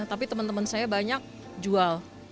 tapi temen temen saya banyak jual